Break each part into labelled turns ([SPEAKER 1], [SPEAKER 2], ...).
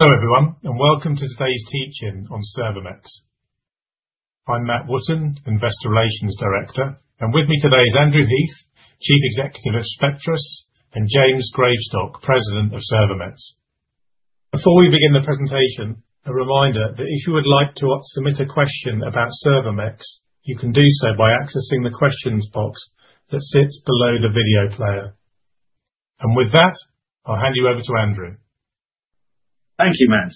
[SPEAKER 1] Hello, everyone, and welcome to today's teach-in on Servomex. I'm Matt Wootton, Investor Relations Director, and with me today is Andrew Heath, Chief Executive of Spectris, and James Gravestock, President of Servomex. Before we begin the presentation, a reminder that if you would like to submit a question about Servomex, you can do so by accessing the questions box that sits below the video player. With that, I'll hand you over to Andrew.
[SPEAKER 2] Thank you, Matt.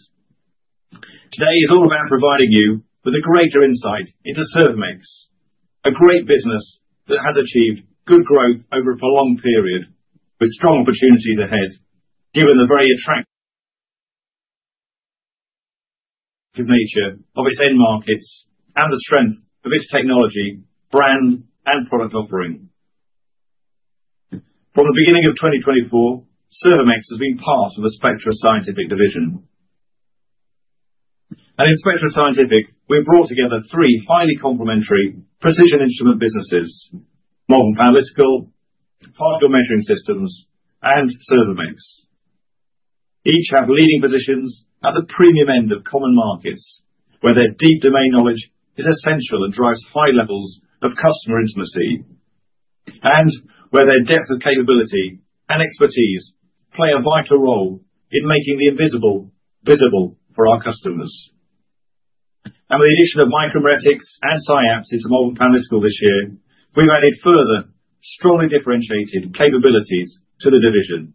[SPEAKER 2] Today is all about providing you with a greater insight into Servomex, a great business that has achieved good growth over a prolonged period, with strong opportunities ahead given the very attractive nature of its end markets and the strength of its technology, brand, and product offering. From the beginning of 2024, Servomex has been part of the Spectris Scientific division, and in Spectris Scientific, we've brought together three highly complementary precision instrument businesses: Malvern Panalytical, Particle Measuring Systems, and Servomex. Each have leading positions at the premium end of common markets, where their deep domain knowledge is essential and drives high levels of customer intimacy, and where their depth of capability and expertise play a vital role in making the invisible visible for our customers. With the addition of Micromeritics and SciAps into Malvern Panalytical this year, we've added further, strongly differentiated capabilities to the division.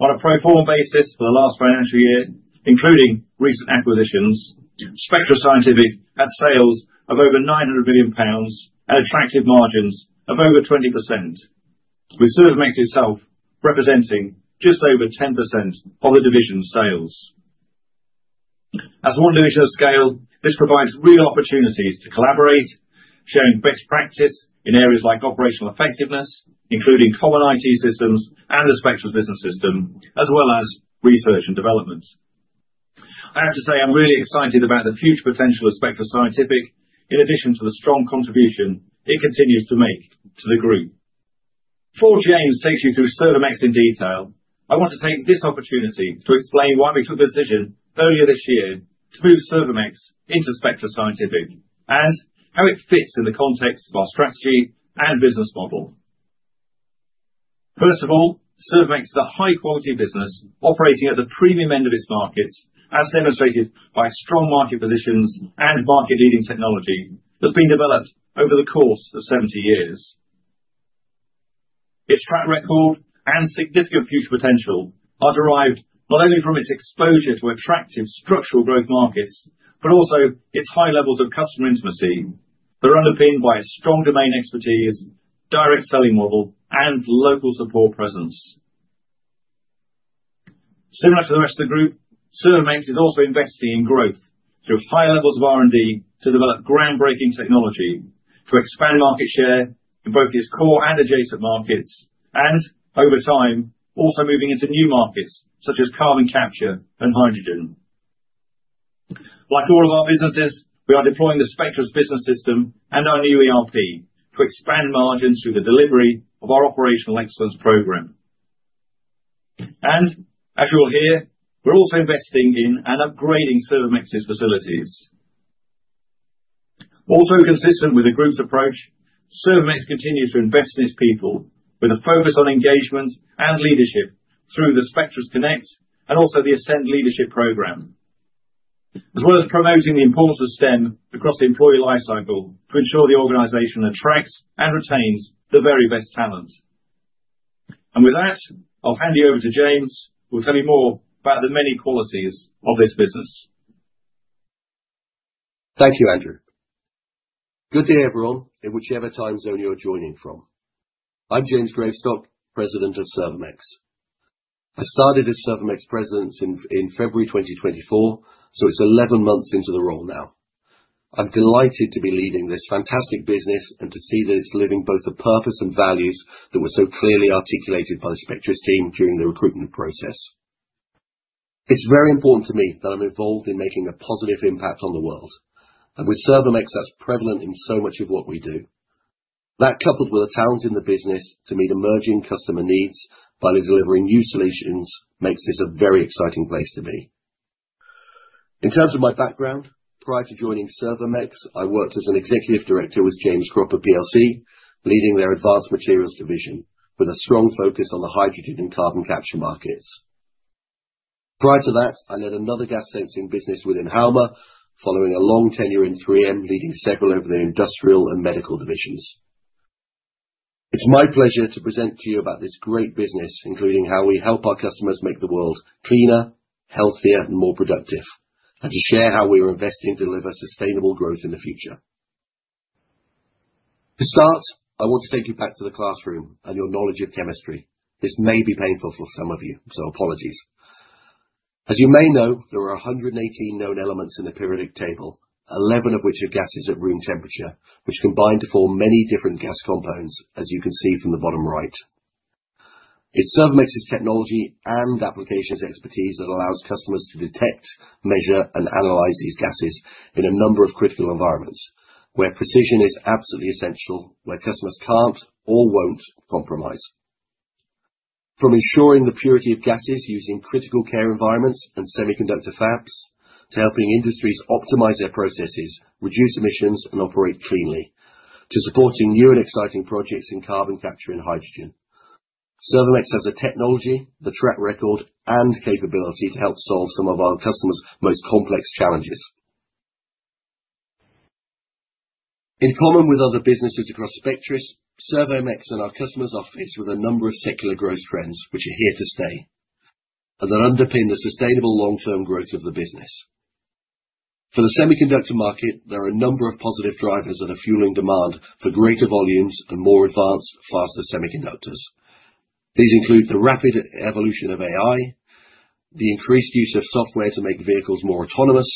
[SPEAKER 2] On a pro forma basis for the last financial year, including recent acquisitions, Spectris Scientific had sales of over 900 million pounds and attractive margins of over 20%, with Servomex itself representing just over 10% of the division's sales. As one division of scale, this provides real opportunities to collaborate, sharing best practice in areas like operational effectiveness, including common IT systems and the Spectris Business System, as well as research and development. I have to say I'm really excited about the future potential of Spectris Scientific, in addition to the strong contribution it continues to make to the group. Before James takes you through Servomex in detail, I want to take this opportunity to explain why we took the decision earlier this year to move Servomex into Spectris Scientific and how it fits in the context of our strategy and business model. First of all, Servomex is a high-quality business operating at the premium end of its markets, as demonstrated by strong market positions and market-leading technology that's been developed over the course of 70 years. Its track record and significant future potential are derived not only from its exposure to attractive structural growth markets, but also its high levels of customer intimacy that are underpinned by a strong domain expertise, direct selling model, and local support presence. Similar to the rest of the group, Servomex is also investing in growth through high levels of R&D to develop groundbreaking technology to expand market share in both its core and adjacent markets, and over time, also moving into new markets such as carbon capture and hydrogen. Like all of our businesses, we are deploying the Spectris Business System and our new ERP to expand margins through the delivery of our operational excellence program. And as you'll hear, we're also investing in and upgrading Servomex's facilities. Also consistent with the group's approach, Servomex continues to invest in its people with a focus on engagement and leadership through the Spectris Connect and also the Ascend leadership program, as well as promoting the importance of STEM across the employee lifecycle to ensure the organization attracts and retains the very best talent. And with that, I'll hand you over to James, who will tell you more about the many qualities of this business.
[SPEAKER 3] Thank you, Andrew. Good day, everyone, in whichever time zone you're joining from. I'm James Gravestock, President of Servomex. I started as Servomex President in February 2024, so it's 11 months into the role now. I'm delighted to be leading this fantastic business and to see that it's living both the purpose and values that were so clearly articulated by the Spectris team during the recruitment process. It's very important to me that I'm involved in making a positive impact on the world, and with Servomex, that's prevalent in so much of what we do. That, coupled with the talent in the business to meet emerging customer needs by delivering new solutions, makes this a very exciting place to be. In terms of my background, prior to joining Servomex, I worked as an Executive Director with James Cropper PLC, leading their advanced materials division with a strong focus on the hydrogen and carbon capture markets. Prior to that, I led another gas sensing business within Halma, following a long tenure in 3M, leading several of their industrial and medical divisions. It's my pleasure to present to you about this great business, including how we help our customers make the world cleaner, healthier, and more productive, and to share how we are investing to deliver sustainable growth in the future. To start, I want to take you back to the classroom and your knowledge of chemistry. This may be painful for some of you, so apologies. As you may know, there are 118 known elements in the periodic table, 11 of which are gases at room temperature, which combine to form many different gas compounds, as you can see from the bottom right. It's Servomex's technology and applications expertise that allows customers to detect, measure, and analyze these gases in a number of critical environments, where precision is absolutely essential, where customers can't or won't compromise. From ensuring the purity of gases using critical care environments and semiconductor fabs to helping industries optimize their processes, reduce emissions, and operate cleanly, to supporting new and exciting projects in carbon capture and hydrogen, Servomex has the technology, the track record, and capability to help solve some of our customers' most complex challenges. In common with other businesses across Spectris, Servomex and our customers are faced with a number of secular growth trends which are here to stay and that underpin the sustainable long-term growth of the business. For the semiconductor market, there are a number of positive drivers that are fueling demand for greater volumes and more advanced, faster semiconductors. These include the rapid evolution of AI, the increased use of software to make vehicles more autonomous,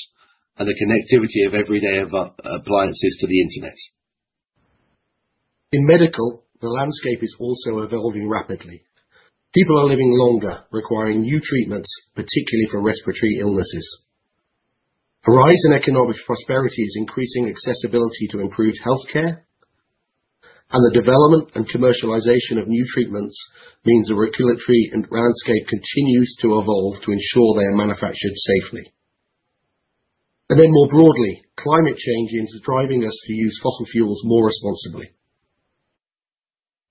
[SPEAKER 3] and the connectivity of everyday appliances to the internet. In medical, the landscape is also evolving rapidly. People are living longer, requiring new treatments, particularly for respiratory illnesses. A rise in economic prosperity is increasing accessibility to improved healthcare, and the development and commercialization of new treatments means the regulatory landscape continues to evolve to ensure they are manufactured safely. And then more broadly, climate change is driving us to use fossil fuels more responsibly.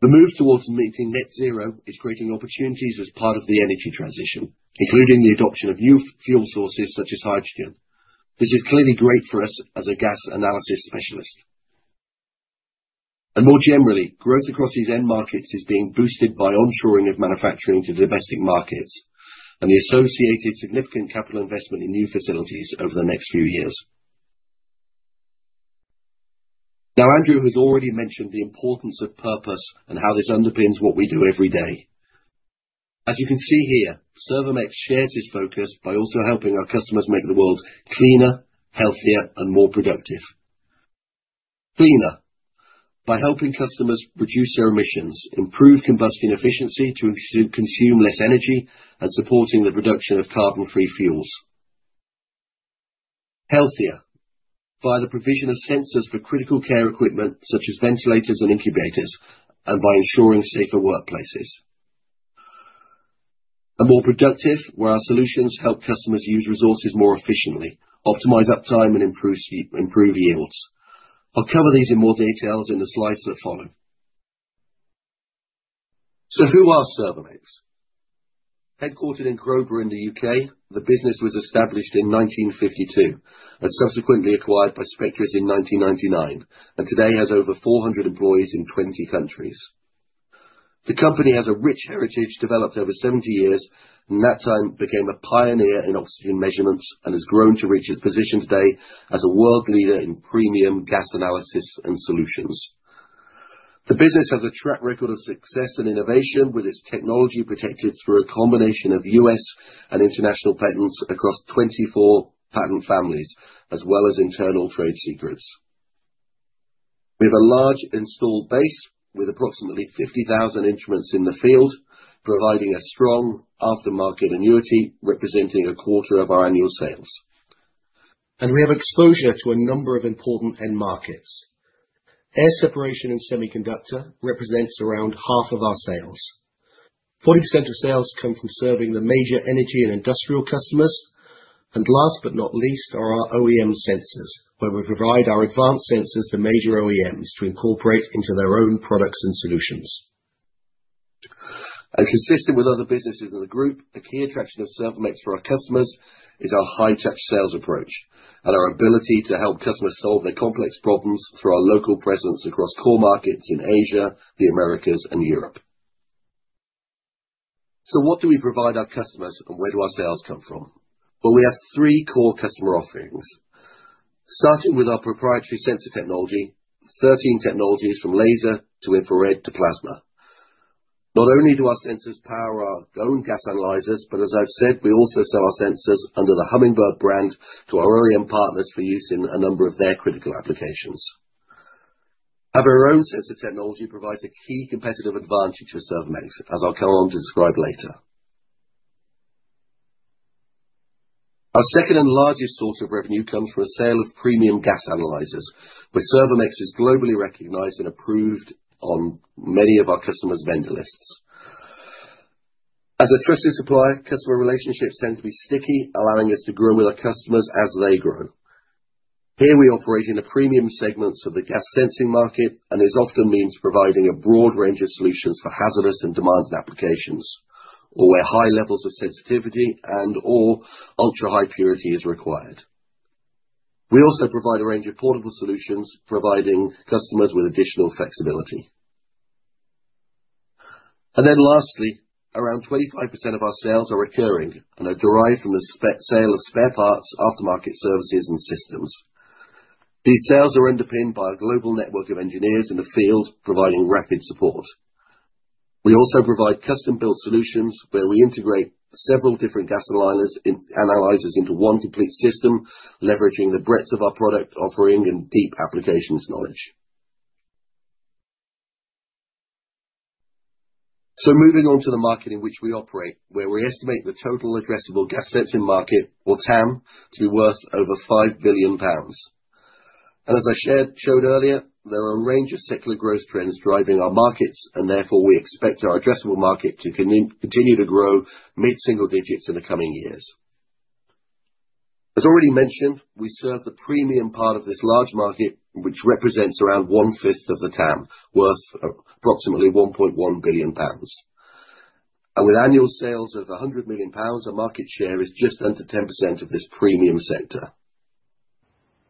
[SPEAKER 3] The move towards meeting net zero is creating opportunities as part of the energy transition, including the adoption of new fuel sources such as hydrogen. This is clearly great for us as a gas analysis specialist. And more generally, growth across these end markets is being boosted by onshoring of manufacturing to domestic markets and the associated significant capital investment in new facilities over the next few years. Now, Andrew has already mentioned the importance of purpose and how this underpins what we do every day. As you can see here, Servomex shares this focus by also helping our customers make the world cleaner, healthier, and more productive. Cleaner by helping customers reduce their emissions, improve combustion efficiency to consume less energy, and supporting the production of carbon-free fuels. Healthier via the provision of sensors for critical care equipment such as ventilators and incubators, and by ensuring safer workplaces. More productive where our solutions help customers use resources more efficiently, optimize uptime, and improve yields. I'll cover these in more detail in the slides that follow. Who are Servomex? Headquartered in Crowborough in the U.K., the business was established in 1952 and subsequently acquired by Spectris in 1999, and today has over 400 employees in 20 countries. The company has a rich heritage developed over 70 years, and that time became a pioneer in oxygen measurements and has grown to reach its position today as a world leader in premium gas analysis and solutions. The business has a track record of success and innovation with its technology protected through a combination of U.S. and international patents across 24 patent families, as well as internal trade secrets. We have a large installed base with approximately 50,000 instruments in the field, providing a strong aftermarket annuity representing a quarter of our annual sales. And we have exposure to a number of important end markets. Air separation and semiconductor represents around half of our sales. 40% of sales come from serving the major energy and industrial customers. And last but not least are our OEM sensors, where we provide our advanced sensors to major OEMs to incorporate into their own products and solutions. And consistent with other businesses in the group, a key attraction of Servomex for our customers is our high-touch sales approach and our ability to help customers solve their complex problems through our local presence across core markets in Asia, the Americas, and Europe. So what do we provide our customers, and where do our sales come from? We have three core customer offerings, starting with our proprietary sensor technology, 13 technologies from laser to infrared to plasma. Not only do our sensors power our own gas analyzers, but as I've said, we also sell our sensors under the Hummingbird brand to our OEM partners for use in a number of their critical applications. Our own sensor technology provides a key competitive advantage for Servomex, as I'll come on to describe later. Our second and largest source of revenue comes from a sale of premium gas analyzers, where Servomex is globally recognized and approved on many of our customers' vendor lists. As a trusted supplier, customer relationships tend to be sticky, allowing us to grow with our customers as they grow. Here we operate in a premium segment of the gas sensing market, and this often means providing a broad range of solutions for hazardous and demanded applications, or where high levels of sensitivity and/or ultra-high purity are required. We also provide a range of portable solutions, providing customers with additional flexibility. And then lastly, around 25% of our sales are occurring and are derived from the sale of spare parts, aftermarket services, and systems. These sales are underpinned by a global network of engineers in the field, providing rapid support. We also provide custom-built solutions where we integrate several different gas analyzers into one complete system, leveraging the breadth of our product offering and deep applications knowledge. So moving on to the market in which we operate, where we estimate the total addressable gas sensing market, or TAM, to be worth over 5 billion pounds. As I showed earlier, there are a range of secular growth trends driving our markets, and therefore we expect our addressable market to continue to grow mid-single digits in the coming years. As already mentioned, we serve the premium part of this large market, which represents around 1/5 of the TAM, worth approximately 1.1 billion pounds. With annual sales of 100 million pounds, our market share is just under 10% of this premium sector.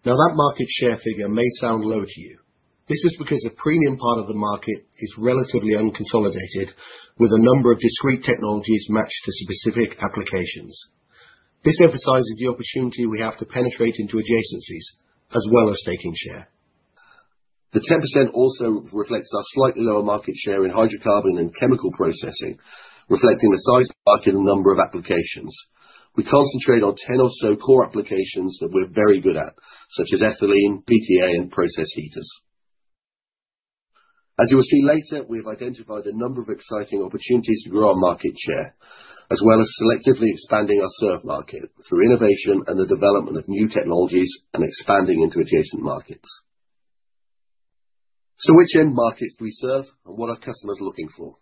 [SPEAKER 3] Now, that market share figure may sound low to you. This is because a premium part of the market is relatively unconsolidated, with a number of discrete technologies matched to specific applications. This emphasizes the opportunity we have to penetrate into adjacencies as well as taking share. The 10% also reflects our slightly lower market share in hydrocarbon and chemical processing, reflecting the size of the market and number of applications. We concentrate on 10 or so core applications that we're very good at, such as ethylene, PTA, and process heaters. As you will see later, we have identified a number of exciting opportunities to grow our market share, as well as selectively expanding our Servomex market through innovation and the development of new technologies and expanding into adjacent markets. So which end markets do we serve, and what are customers looking for?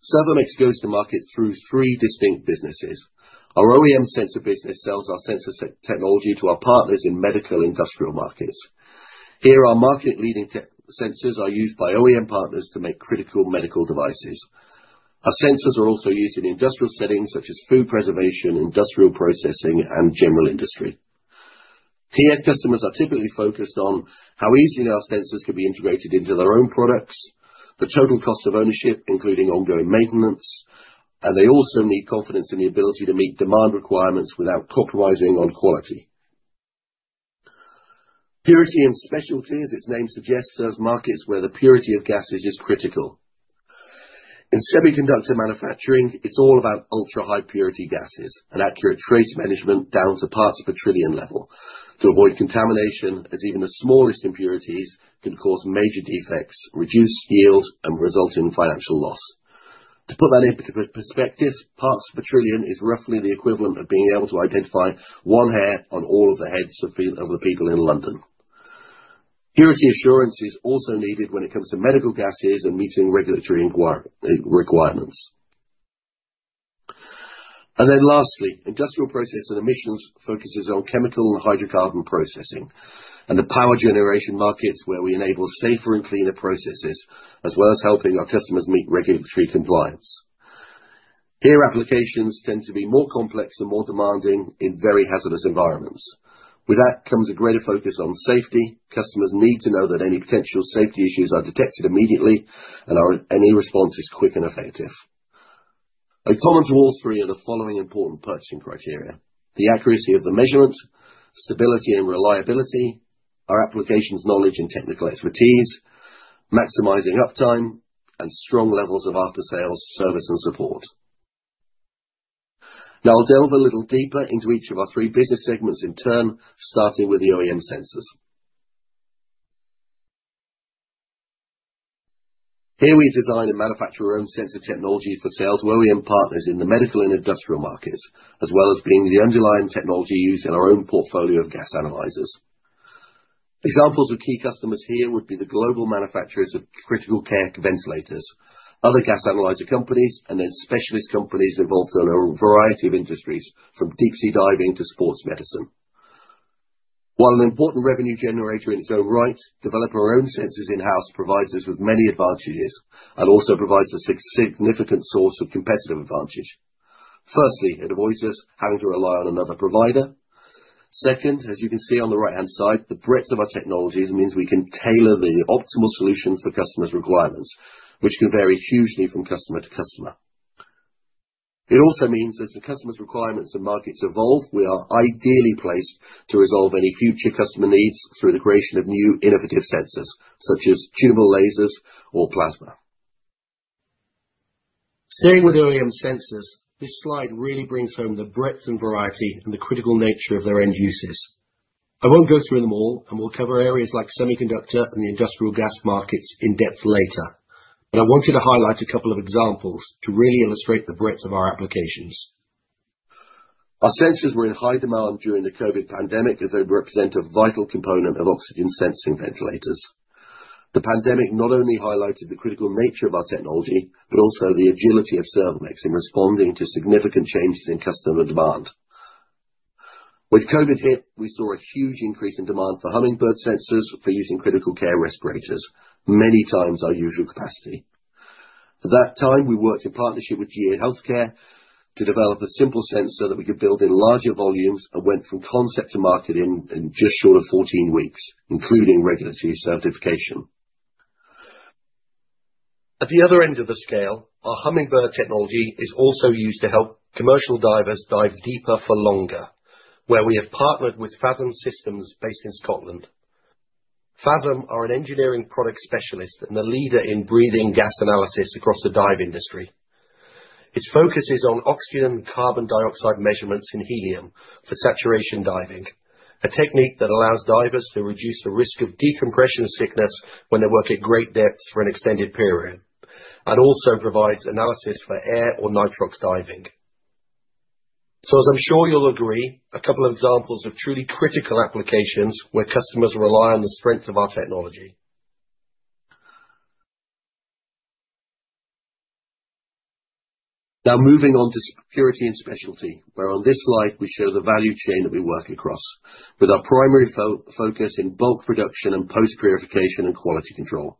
[SPEAKER 3] Servomex goes to market through three distinct businesses. Our OEM sensor business sells our sensor technology to our partners in medical industrial markets. Here, our market-leading sensors are used by OEM partners to make critical medical devices. Our sensors are also used in industrial settings, such as food preservation, industrial processing, and general industry. Key end customers are typically focused on how easily our sensors can be integrated into their own products, the total cost of ownership, including ongoing maintenance, and they also need confidence in the ability to meet demand requirements without compromising on quality. Purity and specialty, as its name suggests, serves markets where the purity of gases is critical. In semiconductor manufacturing, it's all about ultra-high purity gases and accurate trace management down to parts per trillion level to avoid contamination, as even the smallest impurities can cause major defects, reduce yield, and result in financial loss. To put that into perspective, parts per trillion is roughly the equivalent of being able to identify one hair on all of the heads of the people in London. Purity assurance is also needed when it comes to medical gases and meeting regulatory requirements. Then lastly, Industrial Process and Emissions focuses on chemical and hydrocarbon processing and the power generation markets where we enable safer and cleaner processes, as well as helping our customers meet regulatory compliance. Here, applications tend to be more complex and more demanding in very hazardous environments. With that comes a greater focus on safety. Customers need to know that any potential safety issues are detected immediately, and any response is quick and effective. I comment to all three of the following important purchasing criteria: the accuracy of the measurement, stability and reliability, our applications knowledge and technical expertise, maximizing uptime, and strong levels of after-sales service and support. Now, I'll delve a little deeper into each of our three business segments in turn, starting with the OEM sensors. Here we design and manufacture our own sensor technology for sales to OEM partners in the medical and industrial markets, as well as being the underlying technology used in our own portfolio of gas analyzers. Examples of key customers here would be the global manufacturers of critical care ventilators, other gas analyzer companies, and then specialist companies involved in a variety of industries, from deep-sea diving to sports medicine. While an important revenue generator in its own right, developing our own sensors in-house provides us with many advantages and also provides a significant source of competitive advantage. Firstly, it avoids us having to rely on another provider. Second, as you can see on the right-hand side, the breadth of our technologies means we can tailor the optimal solution for customers' requirements, which can vary hugely from customer to customer. It also means that as the customers' requirements and markets evolve, we are ideally placed to resolve any future customer needs through the creation of new innovative sensors, such as tunable lasers or plasma. Staying with OEM sensors, this slide really brings home the breadth and variety and the critical nature of their end uses. I won't go through them all, and we'll cover areas like semiconductor and the industrial gas markets in depth later. But I wanted to highlight a couple of examples to really illustrate the breadth of our applications. Our sensors were in high demand during the COVID pandemic as they represent a vital component of oxygen sensing ventilators. The pandemic not only highlighted the critical nature of our technology, but also the agility of Servomex in responding to significant changes in customer demand. When COVID hit, we saw a huge increase in demand for Hummingbird sensors for using critical care respirators, many times our usual capacity. At that time, we worked in partnership with GE Healthcare to develop a simple sensor that we could build in larger volumes and went from concept to market in just short of 14 weeks, including regulatory certification. At the other end of the scale, our Hummingbird technology is also used to help commercial divers dive deeper for longer, where we have partnered with Fathom Systems based in Scotland. Fathom are an engineering product specialist and a leader in breathing gas analysis across the dive industry. Its focus is on oxygen and carbon dioxide measurements in helium for saturation diving, a technique that allows divers to reduce the risk of decompression sickness when they work at great depths for an extended period, and also provides analysis for air or Nitrox diving. So, as I'm sure you'll agree, a couple of examples of truly critical applications where customers rely on the strength of our technology. Now, moving on to Purity and Specialty, where on this slide we show the value chain that we work across with our primary focus in bulk production and post-purification and quality control.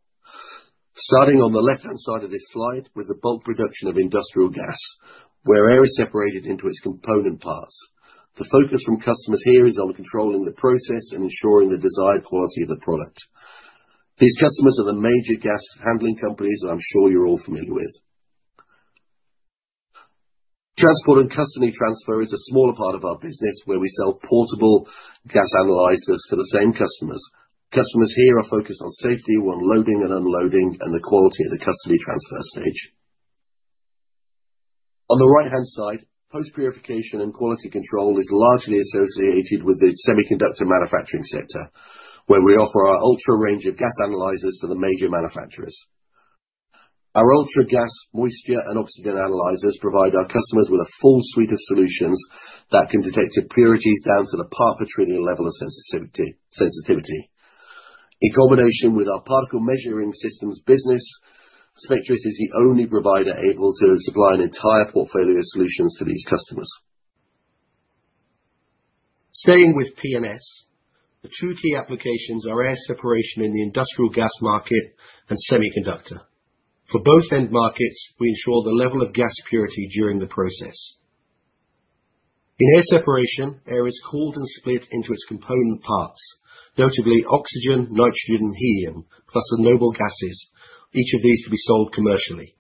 [SPEAKER 3] Starting on the left-hand side of this slide with the bulk production of industrial gas, where air is separated into its component parts. The focus from customers here is on controlling the process and ensuring the desired quality of the product. These customers are the major gas handling companies that I'm sure you're all familiar with. Transport and custody transfer is a smaller part of our business, where we sell portable gas analyzers for the same customers. Customers here are focused on safety when loading and unloading and the quality of the custody transfer stage. On the right-hand side, post-purification and quality control is largely associated with the semiconductor manufacturing sector, where we offer our Ultra range of gas analyzers to the major manufacturers. Our Ultra gas, moisture, and oxygen analyzers provide our customers with a full suite of solutions that can detect impurities down to the part per trillion level of sensitivity. In combination with our Particle Measuring Systems business, Spectris is the only provider able to supply an entire portfolio of solutions to these customers. Staying with P&S, the two key applications are air separation in the industrial gas market and semiconductor. For both end markets, we ensure the level of gas purity during the process. In air separation, air is cooled and split into its component parts, notably oxygen, nitrogen, and helium, plus the noble gases, each of these to be sold commercially.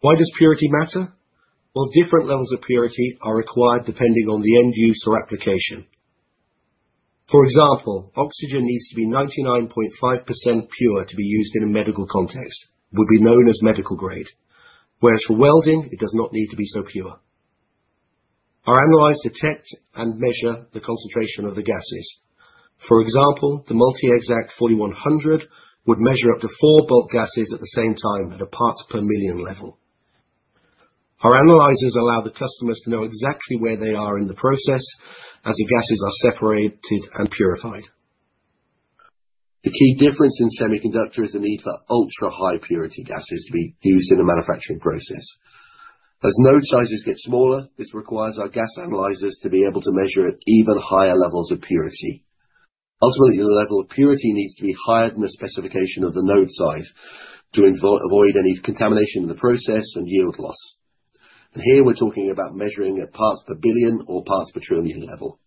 [SPEAKER 3] Why does purity matter? Well, different levels of purity are required depending on the end use or application. For example, oxygen needs to be 99.5% pure to be used in a medical context, would be known as medical grade, whereas for welding, it does not need to be so pure. Our analyzers detect and measure the concentration of the gases. For example, the MultiExact 4100 would measure up to four bulk gases at the same time at a parts per million level. Our analyzers allow the customers to know exactly where they are in the process as the gases are separated and purified. The key difference in semiconductor is the need for ultra-high purity gases to be used in the manufacturing process. As node sizes get smaller, this requires our gas analyzers to be able to measure at even higher levels of purity. Ultimately, the level of purity needs to be higher than the specification of the node size to avoid any contamination in the process and yield loss, and here we're talking about measuring at parts per billion or parts per trillion level.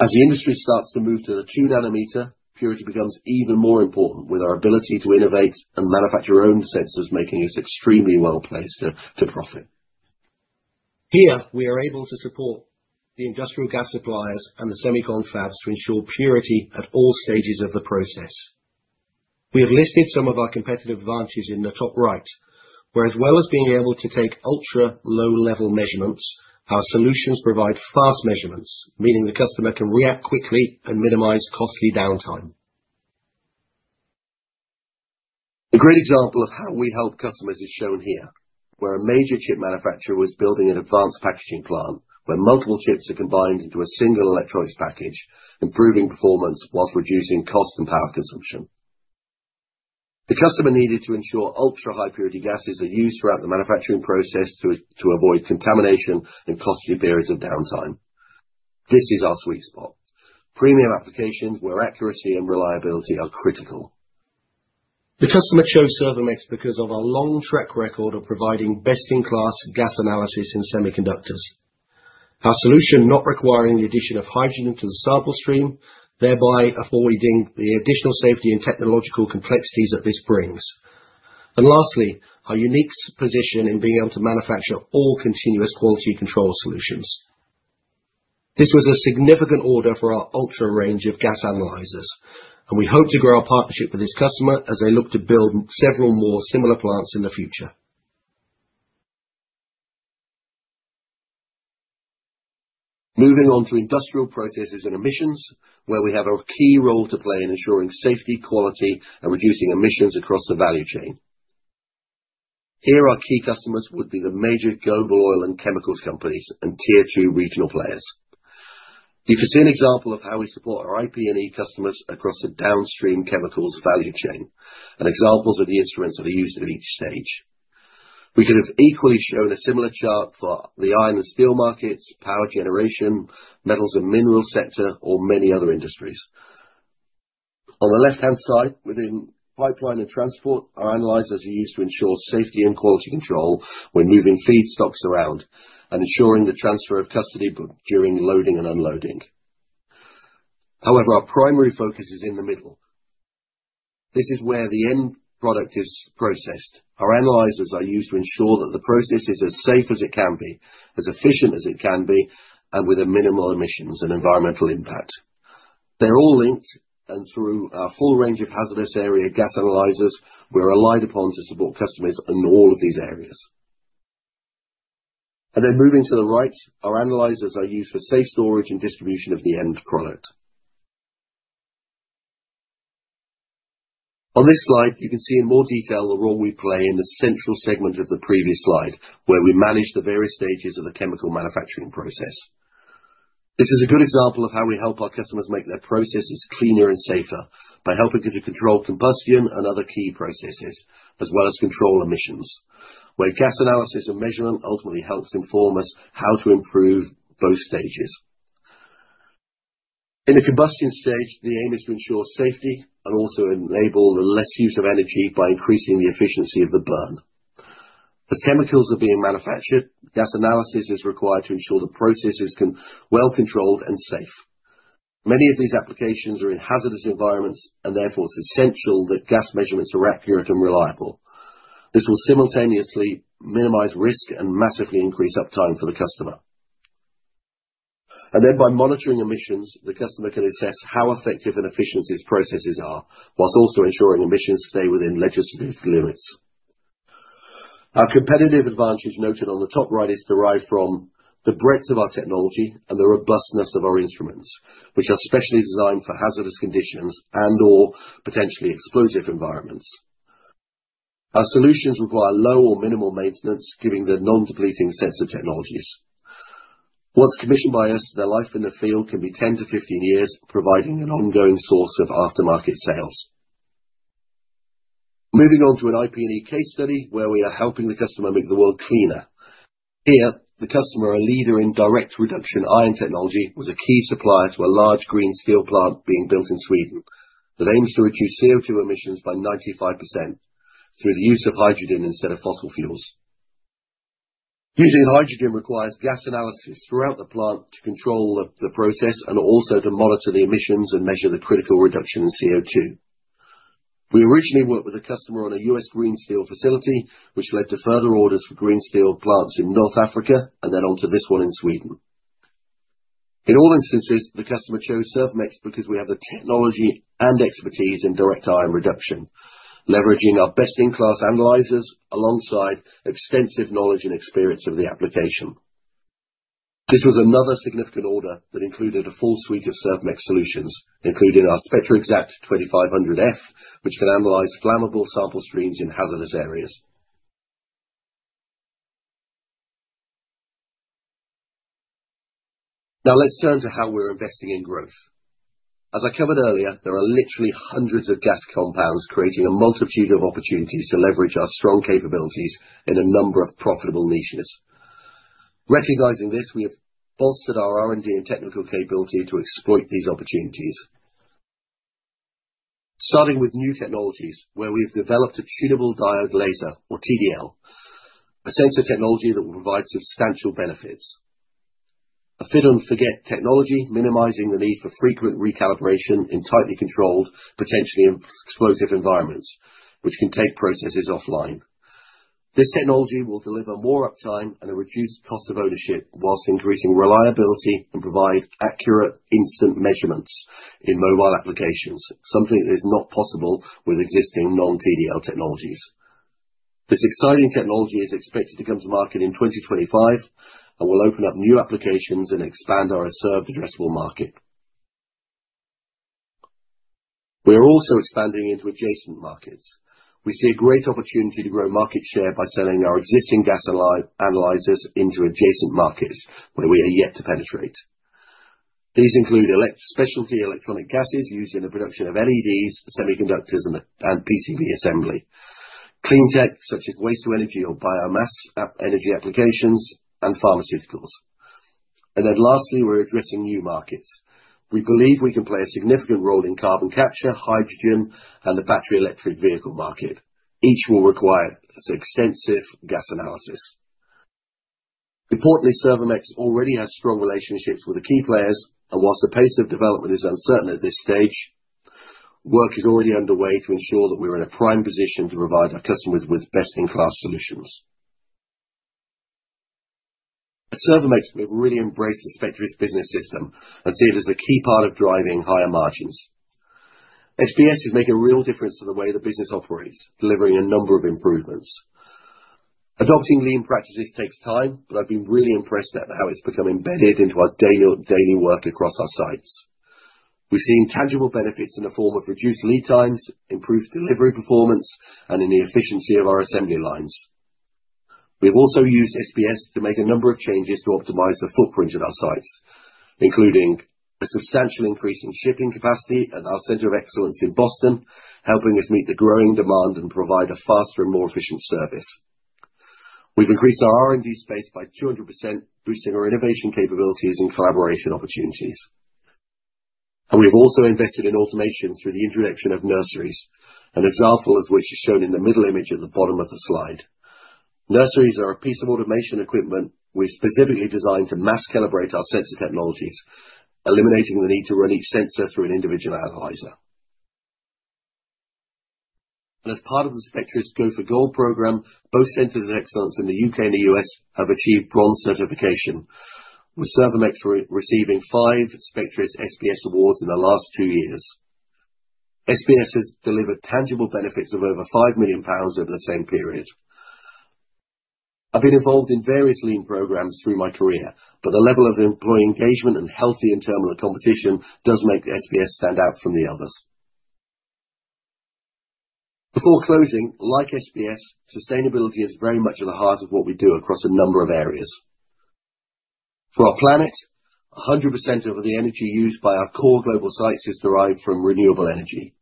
[SPEAKER 3] As the industry starts to move to the two nanometer, purity becomes even more important with our ability to innovate and manufacture our own sensors, making us extremely well placed to profit. Here, we are able to support the industrial gas suppliers and the semiconductor fabs to ensure purity at all stages of the process. We have listed some of our competitive advantages in the top right, where as well as being able to take ultra low-level measurements, our solutions provide fast measurements, meaning the customer can react quickly and minimize costly downtime. A great example of how we help customers is shown here, where a major chip manufacturer was building an advanced packaging plant where multiple chips are combined into a single electronics package, improving performance while reducing cost and power consumption. The customer needed to ensure ultra-high purity gases are used throughout the manufacturing process to avoid contamination and costly periods of downtime. This is our sweet spot: premium applications where accuracy and reliability are critical. The customer chose Servomex because of our long track record of providing best-in-class gas analysis in semiconductors, our solution not requiring the addition of hydrogen to the sample stream, thereby avoiding the additional safety and technological complexities that this brings, and lastly, our unique position in being able to manufacture all continuous quality control solutions. This was a significant order for our Ultra range of gas analyzers, and we hope to grow our partnership with this customer as they look to build several more similar plants in the future. Moving on to Industrial Processes and Emissions, where we have a key role to play in ensuring safety, quality, and reducing emissions across the value chain. Here, our key customers would be the major global oil and chemicals companies and tier two regional players. You can see an example of how we support our E&P customers across the downstream chemicals value chain and examples of the instruments that are used at each stage. We could have equally shown a similar chart for the iron and steel markets, power generation, metals and minerals sector, or many other industries. On the left-hand side, within pipeline and transport, our analyzers are used to ensure safety and quality control when moving feedstocks around and ensuring the custody transfer during loading and unloading. However, our primary focus is in the middle. This is where the end product is processed. Our analyzers are used to ensure that the process is as safe as it can be, as efficient as it can be, and with minimal emissions and environmental impact. They're all linked, and through our full range of hazardous area gas analyzers, we're relied upon to support customers in all of these areas. And then moving to the right, our analyzers are used for safe storage and distribution of the end product. On this slide, you can see in more detail the role we play in the central segment of the previous slide, where we manage the various stages of the chemical manufacturing process. This is a good example of how we help our customers make their processes cleaner and safer by helping them to control combustion and other key processes, as well as control emissions, where gas analysis and measurement ultimately helps inform us how to improve both stages. In the combustion stage, the aim is to ensure safety and also enable the less use of energy by increasing the efficiency of the burn. As chemicals are being manufactured, gas analysis is required to ensure the processes can be well controlled and safe. Many of these applications are in hazardous environments, and therefore it's essential that gas measurements are accurate and reliable. This will simultaneously minimize risk and massively increase uptime for the customer. And then, by monitoring emissions, the customer can assess how effective and efficient these processes are, while also ensuring emissions stay within legislative limits. Our competitive advantage noted on the top right is derived from the breadth of our technology and the robustness of our instruments, which are specially designed for hazardous conditions and/or potentially explosive environments. Our solutions require low or minimal maintenance, giving the non-depleting sensor technologies. Once commissioned by us, their life in the field can be 10-15 years, providing an ongoing source of aftermarket sales. Moving on to an IP&E case study where we are helping the customer make the world cleaner. Here, the customer, a leader in direct reduction iron technology, was a key supplier to a large green steel plant being built in Sweden that aims to reduce CO2 emissions by 95% through the use of hydrogen instead of fossil fuels. Using hydrogen requires gas analysis throughout the plant to control the process and also to monitor the emissions and measure the critical reduction in CO2. We originally worked with a customer on a U.S. green steel facility, which led to further orders for green steel plants in North Africa and then onto this one in Sweden. In all instances, the customer chose Servomex because we have the technology and expertise in direct reduction iron, leveraging our best-in-class analyzers alongside extensive knowledge and experience of the application. This was another significant order that included a full suite of Servomex solutions, including our SERVOTOUGH SpectraExact 2500F, which can analyze flammable sample streams in hazardous areas. Now, let's turn to how we're investing in growth. As I covered earlier, there are literally hundreds of gas compounds creating a multitude of opportunities to leverage our strong capabilities in a number of profitable niches. Recognizing this, we have bolstered our R&D and technical capability to exploit these opportunities, starting with new technologies where we've developed a tunable diode laser, or TDL, a sensor technology that will provide substantial benefits. A fit-and-forget technology, minimizing the need for frequent recalibration in tightly controlled, potentially explosive environments, which can take processes offline. This technology will deliver more uptime and a reduced cost of ownership, whilst increasing reliability and providing accurate instant measurements in mobile applications, something that is not possible with existing non-TDL technologies. This exciting technology is expected to come to market in 2025 and will open up new applications and expand our serviceable addressable market. We are also expanding into adjacent markets. We see a great opportunity to grow market share by selling our existing gas analyzers into adjacent markets where we are yet to penetrate. These include specialty electronic gases used in the production of LEDs, semiconductors, and PCB assembly, clean tech such as waste to energy or biomass energy applications, and pharmaceuticals. Then lastly, we're addressing new markets. We believe we can play a significant role in carbon capture, hydrogen, and the battery electric vehicle market. Each will require extensive gas analysis. Importantly, Servomex already has strong relationships with the key players, and while the pace of development is uncertain at this stage, work is already underway to ensure that we're in a prime position to provide our customers with best-in-class solutions. At Servomex, we've really embraced the Spectris business system and see it as a key part of driving higher margins. SBS is making a real difference to the way the business operates, delivering a number of improvements. Adopting lean practices takes time, but I've been really impressed at how it's become embedded into our daily work across our sites. We've seen tangible benefits in the form of reduced lead times, improved delivery performance, and in the efficiency of our assembly lines. We have also used SBS to make a number of changes to optimize the footprint at our sites, including a substantial increase in shipping capacity at our center of excellence in Boston, helping us meet the growing demand and provide a faster and more efficient service. We've increased our R&D space by 200%, boosting our innovation capabilities and collaboration opportunities. We have also invested in automation through the introduction of nurseries, an example of which is shown in the middle image at the bottom of the slide. Nurseries are a piece of automation equipment we've specifically designed to mass calibrate our sensor technologies, eliminating the need to run each sensor through an individual analyzer. As part of the Spectris Go for Gold program, both centers of excellence in the UK and the US have achieved bronze certification, with Servomex receiving five Spectris SBS awards in the last two years. SBS has delivered tangible benefits of over 5 million pounds over the same period. I've been involved in various lean programs through my career, but the level of employee engagement and healthy internal competition does make SBS stand out from the others. Before closing, like SBS, sustainability is very much at the heart of what we do across a number of areas. For our planet, 100% of the energy used by our core global sites is derived from renewable energy.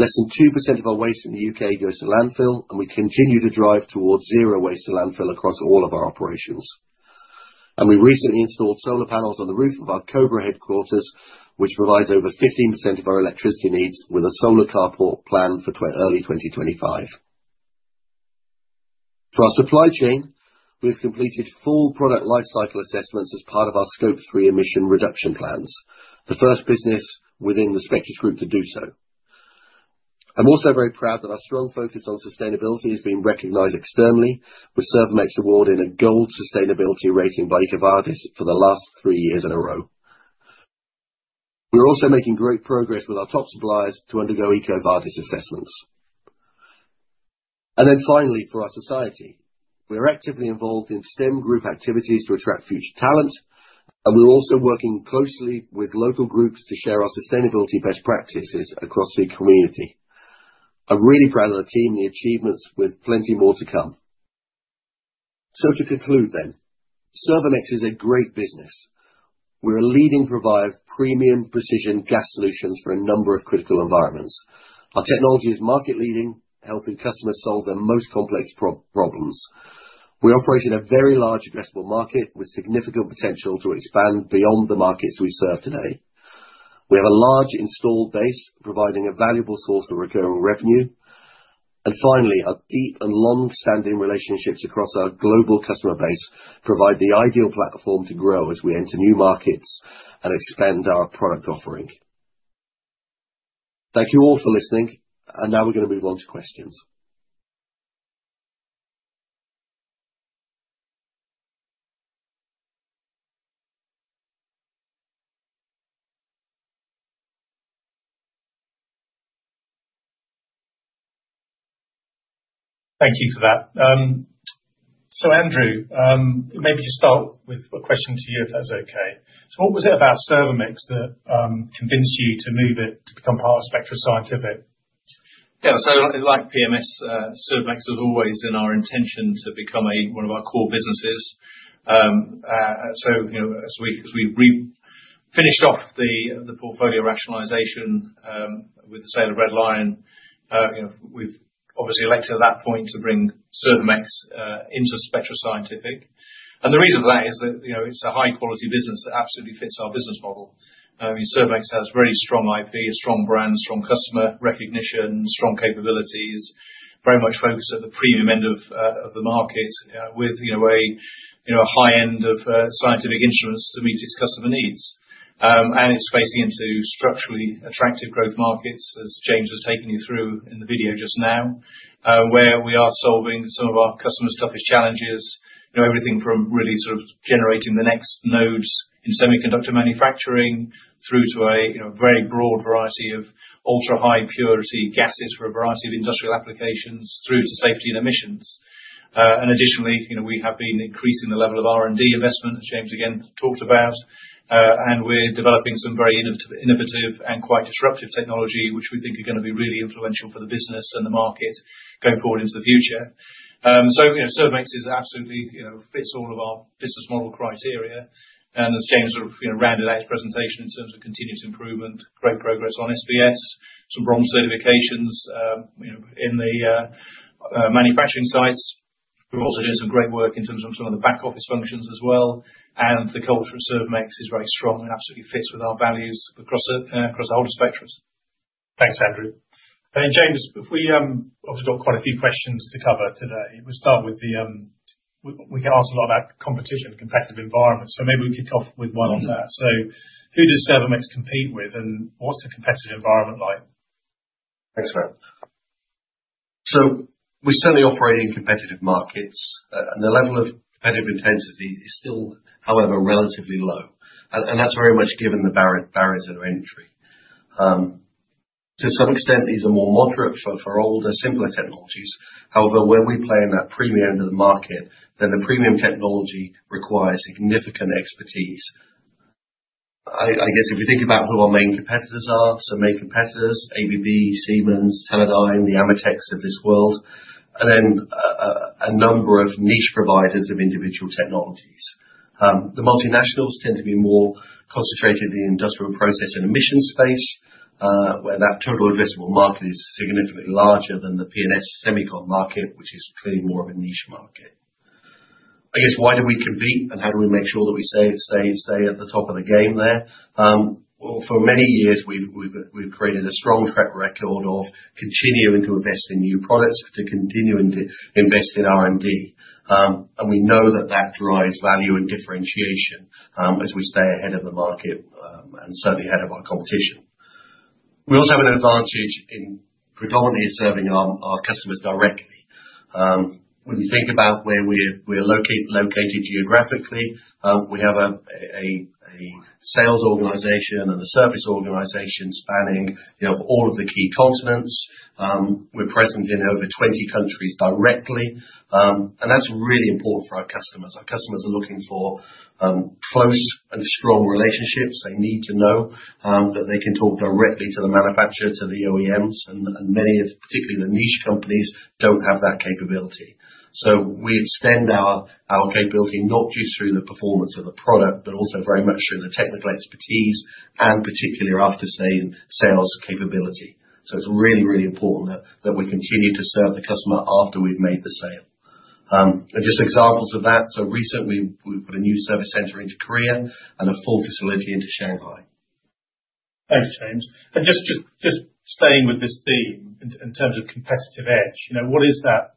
[SPEAKER 3] Less than 2% of our waste in the U.K. goes to landfill, and we continue to drive towards zero waste to landfill across all of our operations. We recently installed solar panels on the roof of our Crowborough headquarters, which provides over 15% of our electricity needs with a solar carport planned for early 2025. For our supply chain, we've completed full product life cycle assessments as part of our Scope 3 emission reduction plans, the first business within the Spectris group to do so. I'm also very proud that our strong focus on sustainability has been recognized externally, with Servomex awarded a gold sustainability rating by EcoVadis for the last three years in a row. We're also making great progress with our top suppliers to undergo EcoVadis assessments. Then finally, for our society, we're actively involved in STEM group activities to attract future talent, and we're also working closely with local groups to share our sustainability best practices across the community. I'm really proud of the team and the achievements, with plenty more to come. So to conclude then, Servomex is a great business. We're a leading provider of premium precision gas solutions for a number of critical environments. Our technology is market-leading, helping customers solve their most complex problems. We operate in a very large addressable market with significant potential to expand beyond the markets we serve today. We have a large installed base, providing a valuable source of recurring revenue. And finally, our deep and long-standing relationships across our global customer base provide the ideal platform to grow as we enter new markets and expand our product offering. Thank you all for listening, and now we're going to move on to questions.
[SPEAKER 1] Thank you for that. So, Andrew, maybe to start with a question to you, if that's okay. So what was it about Servomex that convinced you to move it to become part of Spectris Scientific?
[SPEAKER 2] Yeah, so like PMS, Servomex has always been our intention to become one of our core businesses. So as we finished off the portfolio rationalization with the sale of Red Lion, we've obviously elected at that point to bring Servomex into Spectris Scientific. And the reason for that is that it's a high-quality business that absolutely fits our business model. Servomex has very strong IP, a strong brand, strong customer recognition, strong capabilities, very much focused at the premium end of the market with a high end of scientific instruments to meet its customer needs. It's facing into structurally attractive growth markets, as James has taken you through in the video just now, where we are solving some of our customers' toughest challenges, everything from really sort of generating the next nodes in semiconductor manufacturing through to a very broad variety of ultra-high purity gases for a variety of industrial applications, through to safety and emissions. Additionally, we have been increasing the level of R&D investment, as James again talked about, and we're developing some very innovative and quite disruptive technology, which we think are going to be really influential for the business and the market going forward into the future. Servomex absolutely fits all of our business model criteria. As James sort of rounded out his presentation in terms of continued improvement, great progress on SBS, some bronze certifications in the manufacturing sites. We've also done some great work in terms of some of the back office functions as well. And the culture at Servomex is very strong and absolutely fits with our values across the whole of Spectris.
[SPEAKER 1] Thanks, Andrew. And James, we've obviously got quite a few questions to cover today. We can ask a lot about competition, competitive environment. So maybe we could come up with one on that. So who does Servomex compete with, and what's the competitive environment like?
[SPEAKER 3] Thanks, Matt. So we certainly operate in competitive markets, and the level of competitive intensity is still, however, relatively low. And that's very much given the barriers to entry. To some extent, these are more moderate for older, simpler technologies. However, where we play in that premium end of the market, then the premium technology requires significant expertise. I guess if we think about who our main competitors are, so main competitors: ABB, Siemens, Teledyne, the AMETEK of this world, and then a number of niche providers of individual technologies. The multinationals tend to be more concentrated in the industrial process and emissions space, where that total addressable market is significantly larger than the PMS semiconductor market, which is clearly more of a niche market. I guess, why do we compete, and how do we make sure that we stay at the top of the game there? For many years, we've created a strong track record of continuing to invest in new products, to continue to invest in R&D. And we know that that drives value and differentiation as we stay ahead of the market and certainly ahead of our competition. We also have an advantage in predominantly serving our customers directly. When you think about where we're located geographically, we have a sales organization and a service organization spanning all of the key continents. We're present in over 20 countries directly, and that's really important for our customers. Our customers are looking for close and strong relationships. They need to know that they can talk directly to the manufacturer, to the OEMs, and many, particularly the niche companies, don't have that capability. So we extend our capability not just through the performance of the product, but also very much through the technical expertise and particularly our after-sales capability. So it's really, really important that we continue to serve the customer after we've made the sale. And just examples of that, so recently we've put a new service center into Korea and a full facility into Shanghai.
[SPEAKER 1] Thanks, James. And just staying with this theme in terms of competitive edge, what is that?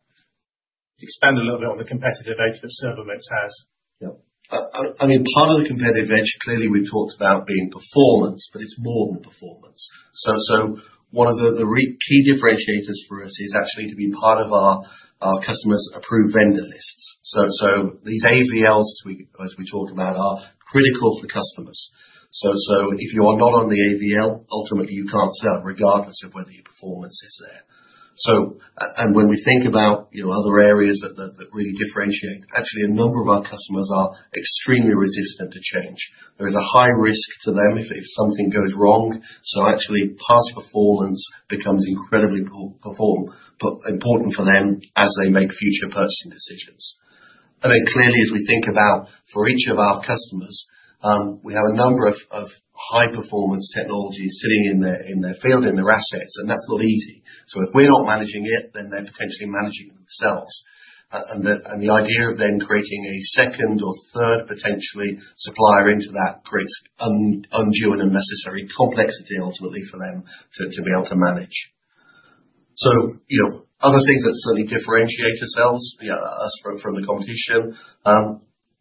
[SPEAKER 1] Expand a little bit on the competitive edge that Servomex has.
[SPEAKER 3] I mean, part of the competitive edge, clearly we've talked about being performance, but it's more than performance. So one of the key differentiators for us is actually to be part of our customers' approved vendor lists. So these AVLs, as we talk about, are critical for customers. So if you are not on the AVL, ultimately you can't sell, regardless of whether your performance is there. And when we think about other areas that really differentiate, actually a number of our customers are extremely resistant to change. There is a high risk to them if something goes wrong. So actually past performance becomes incredibly important for them as they make future purchasing decisions. And then clearly, as we think about for each of our customers, we have a number of high-performance technologies sitting in their field, in their assets, and that's not easy. So if we're not managing it, then they're potentially managing themselves. And the idea of then creating a second or third potentially supplier into that creates undue and unnecessary complexity, ultimately, for them to be able to manage. So other things that certainly differentiate ourselves, us from the competition,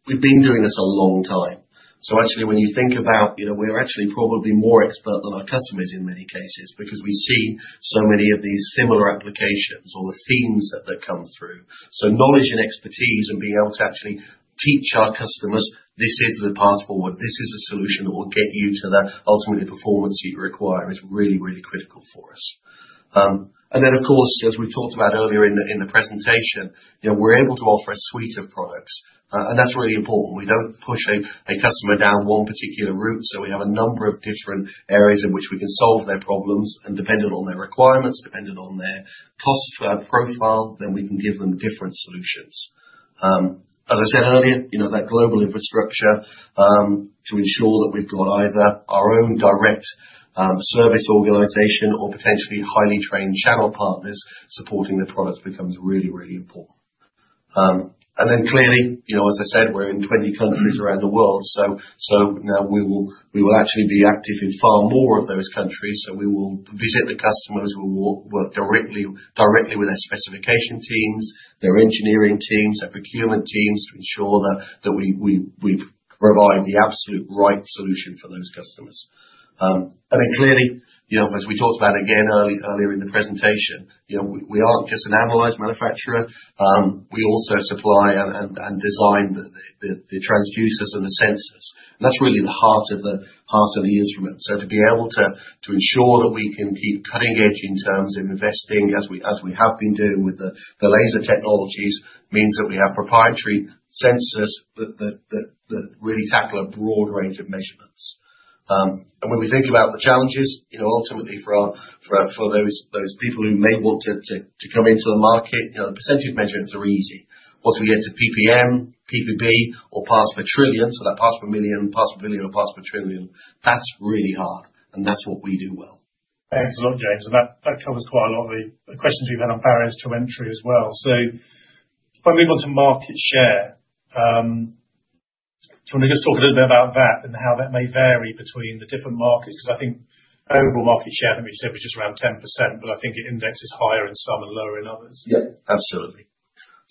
[SPEAKER 3] we've been doing this a long time. So actually, when you think about we're actually probably more expert than our customers in many cases because we see so many of these similar applications or the themes that come through. So knowledge and expertise and being able to actually teach our customers, this is the path forward. This is a solution that will get you to the ultimate performance that you require. This is really, really critical for us. Then, of course, as we talked about earlier in the presentation, we're able to offer a suite of products, and that's really important. We don't push a customer down one particular route. We have a number of different areas in which we can solve their problems. Depending on their requirements, depending on their cost profile, then we can give them different solutions. As I said earlier, that global infrastructure to ensure that we've got either our own direct service organization or potentially highly trained channel partners supporting the products becomes really, really important. Then clearly, as I said, we're in 20 countries around the world. Now we will actually be active in far more of those countries. We will visit the customers. We will work directly with their specification teams, their engineering teams, their procurement teams to ensure that we provide the absolute right solution for those customers. And then clearly, as we talked about again earlier in the presentation, we aren't just an analyzer manufacturer. We also supply and design the transducers and the sensors. And that's really the heart of the instrument. We can ensure that we keep cutting edge in terms of investing, as we have been doing with the laser technologies. This means that we have proprietary sensors that really tackle a broad range of measurements. And when we think about the challenges, ultimately for those people who may want to come into the market, the percentage measurements are easy. Once we get to PPM, PPB, or parts per trillion, so that's parts per million, parts per billion, or parts per trillion, that's really hard. And that's what we do well.
[SPEAKER 1] Thanks a lot, James. And that covers quite a lot of the questions we've had on barriers to entry as well. So if I move on to market share, can we just talk a little bit about that and how that may vary between the different markets? Because I think overall market share, I think we said was just around 10%, but I think it indexes higher in some and lower in others.
[SPEAKER 3] Yeah, absolutely.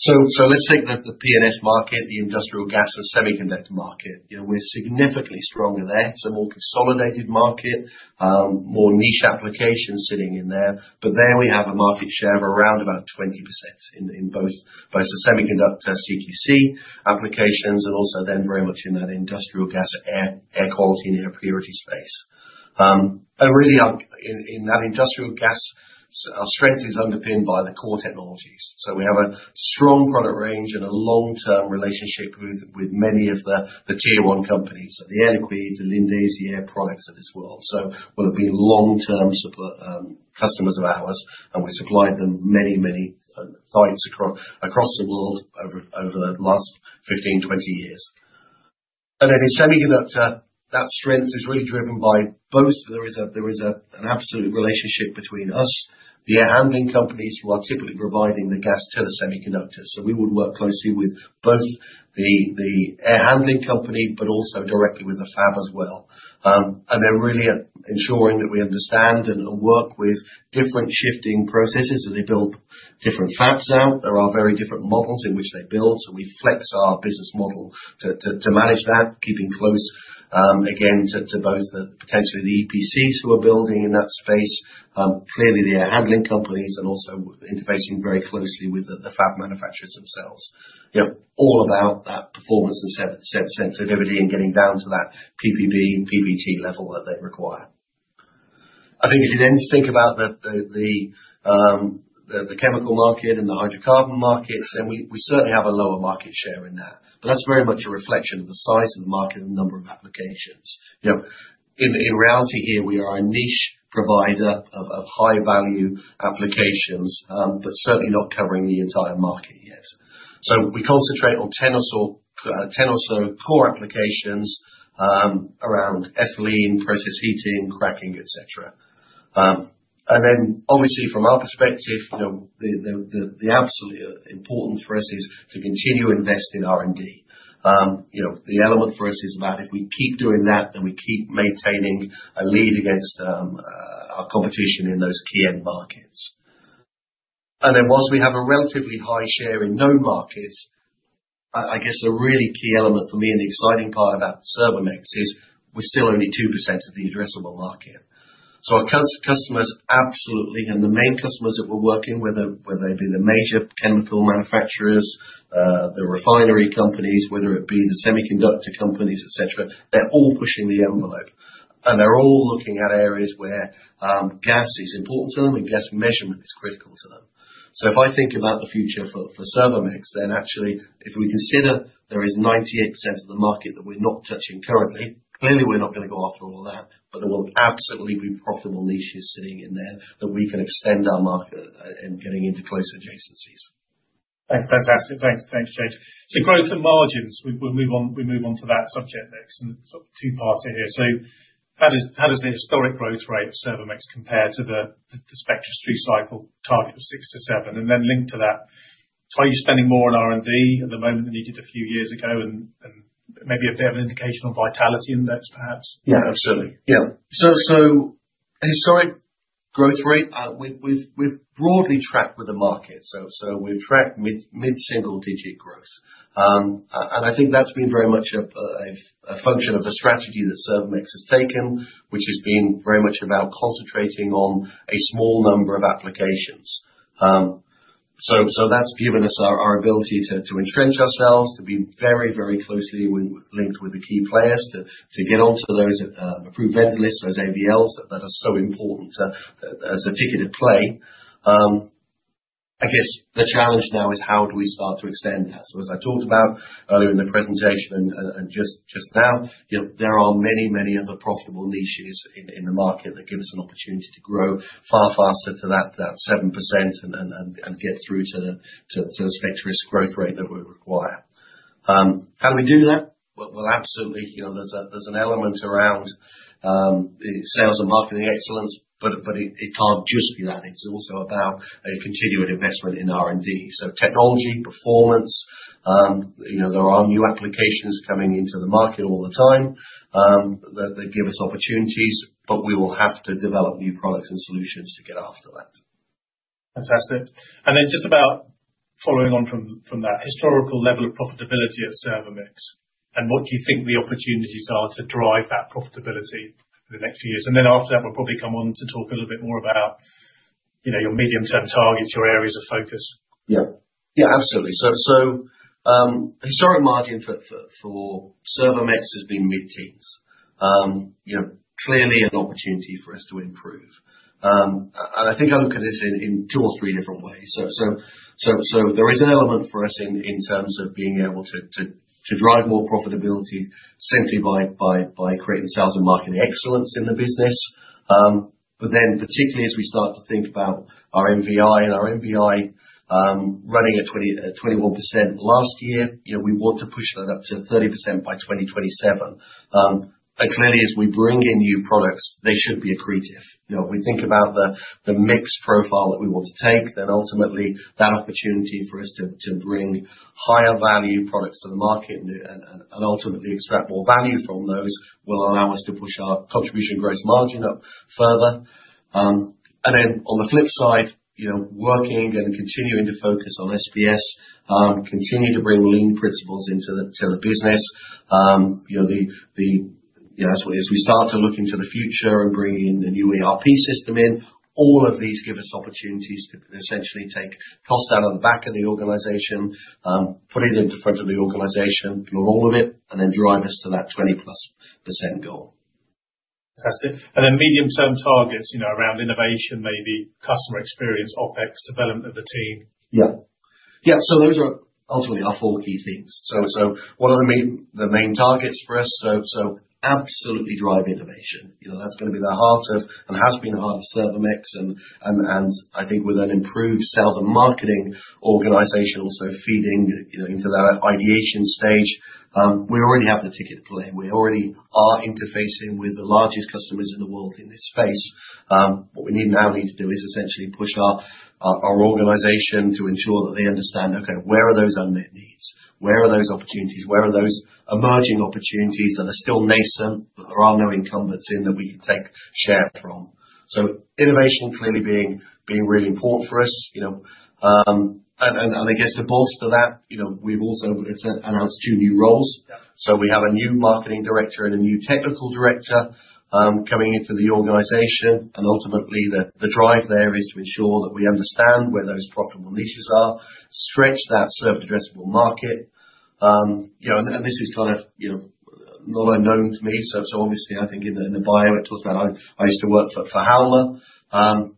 [SPEAKER 3] So let's take the P&S market, the industrial gas and semiconductor market. We're significantly stronger there. It's a more consolidated market, more niche applications sitting in there. But there we have a market share of around about 20% in both the semiconductor CQC applications and also then very much in that industrial gas, air quality and air purity space. And really, in that industrial gas, our strength is underpinned by the core technologies. So we have a strong product range and a long-term relationship with many of the tier one companies, so the Air Liquide, the Linde, Air Products of this world. Shell have been long-term customers of ours, and we supplied them many, many sites across the world over the last 15-20 years. And then in semiconductor, that strength is really driven by both. There is an absolute relationship between us, the air handling companies, who are typically providing the gas to the semiconductors. So we would work closely with both the air handling company, but also directly with the fab as well. And they're really ensuring that we understand and work with different shifting processes as they build different fabs out. There are very different models in which they build. So we flex our business model to manage that, keeping close, again, to both potentially the EPCs who are building in that space, clearly the air handling companies, and also interfacing very closely with the fab manufacturers themselves. All about that performance and sensitivity and getting down to that PPB, PPT level that they require. I think if you then think about the chemical market and the hydrocarbon markets, then we certainly have a lower market share in that. But that's very much a reflection of the size of the market and number of applications. In reality here, we are a niche provider of high-value applications, but certainly not covering the entire market yet. We concentrate on 10 or so core applications around ethylene, process heating, cracking, etc. And then obviously, from our perspective, the absolutely important thing for us is to continue investing in R&D. The element for us is about if we keep doing that, then we keep maintaining a lead against our competition in those key end markets. And then while we have a relatively high share in known markets, I guess a really key element for me and the exciting part about Servomex is we're still only 2% of the addressable market. So our customers absolutely, and the main customers that we're working with, whether they be the major chemical manufacturers, the refinery companies, whether it be the semiconductor companies, etc., they're all pushing the envelope. And they're all looking at areas where gas is important to them and gas measurement is critical to them. So if I think about the future for Servomex, then actually, if we consider there is 98% of the market that we're not touching currently, clearly we're not going to go after all that, but there will absolutely be profitable niches sitting in there that we can extend our market and getting into closer adjacencies. Fantastic.
[SPEAKER 1] Thanks, James. Growth and margins, we move on to that subject next. And sort of two-parter here. How does the historic growth rate of Servomex compare to the Spectris through-cycle target of 6%-7%? And then linked to that, are you spending more on R&D at the moment than you did a few years ago? And maybe a bit of an indication on Vitality Index, perhaps?
[SPEAKER 3] Yeah, absolutely. Yeah. Historic growth rate, we've broadly tracked with the market. So we've tracked mid-single-digit growth. I think that's been very much a function of the strategy that Servomex has taken, which has been very much about concentrating on a small number of applications. So that's given us our ability to entrench ourselves, to be very, very closely linked with the key players, to get onto those approved vendor lists, those AVLs that are so important as a ticket to play. I guess the challenge now is how do we start to extend that? So as I talked about earlier in the presentation and just now, there are many, many other profitable niches in the market that give us an opportunity to grow far faster to that 7% and get through to the Spectris growth rate that we require. How do we do that? Well, absolutely. There's an element around sales and marketing excellence, but it can't just be that. It's also about a continued investment in R&D. So technology, performance, there are new applications coming into the market all the time that give us opportunities, but we will have to develop new products and solutions to get after that.
[SPEAKER 1] Fantastic. And then just about following on from that historical level of profitability of Servomex and what do you think the opportunities are to drive that profitability for the next few years? And then after that, we'll probably come on to talk a little bit more about your medium-term targets, your areas of focus.
[SPEAKER 3] Yeah, absolutely. So historic margin for Servomex has been mid-teens. Clearly an opportunity for us to improve. And I think I look at this in two or three different ways. So there is an element for us in terms of being able to drive more profitability simply by creating sales and marketing excellence in the business. But then particularly as we start to think about our MVI and our MVI running at 21% last year, we want to push that up to 30% by 2027. And clearly, as we bring in new products, they should be accretive. If we think about the mixed profile that we want to take, then ultimately that opportunity for us to bring higher value products to the market and ultimately extract more value from those will allow us to push our contribution gross margin up further. And then on the flip side, working and continuing to focus on SBS, continue to bring lean principles into the business. As we start to look into the future and bring in the new ERP system in, all of these give us opportunities to essentially take cost out of the back of the organization, put it in front of the organization, build all of it, and then drive us to that 20+% goal.
[SPEAKER 1] Fantastic. And then medium-term targets around innovation, maybe customer experience, OpEx, development of the team.
[SPEAKER 3] Yeah. Yeah. So those are ultimately our four key things. So one of the main targets for us, so absolutely drive innovation. That's going to be the heart of and has been the heart of Servomex. And I think with an improved sales and marketing organization also feeding into that ideation stage, we already have the ticket to play. We already are interfacing with the largest customers in the world in this space. What we now need to do is essentially push our organization to ensure that they understand, okay, where are those unmet needs? Where are those opportunities? Where are those emerging opportunities that are still nascent, but there are no incumbents in that we can take share from, so innovation clearly being really important for us. And I guess to bolster that, we've also announced two new roles, so we have a new marketing director and a new technical director coming into the organization. And ultimately, the drive there is to ensure that we understand where those profitable niches are, stretch the serviceable addressable market. And this is kind of not unknown to me, so obviously, I think in the bio, it talks about I used to work for Halma, and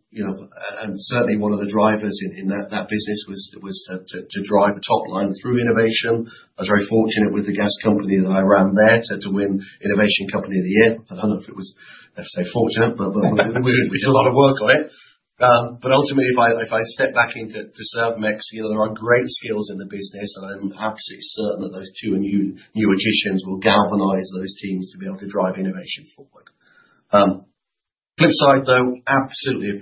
[SPEAKER 3] certainly, one of the drivers in that business was to drive the top line through innovation. I was very fortunate with the gas company that I ran there to win Innovation Company of the Year. I don't know if it was necessarily fortunate, but we did a lot of work on it. But ultimately, if I step back into Servomex, there are great skills in the business, and I'm absolutely certain that those two new additions will galvanize those teams to be able to drive innovation forward. Flip side, though, absolutely.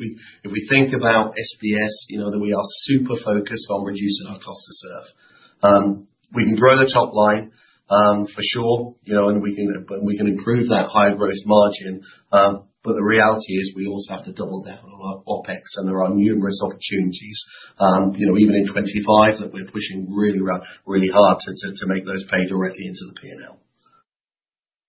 [SPEAKER 3] If we think about SBS, we are super focused on reducing our cost to serve. We can grow the top line, for sure, and we can improve that higher gross margin. But the reality is we also have to double down on our OpEx, and there are numerous opportunities, even in 2025, that we're pushing really hard to make those pay directly into the P&L.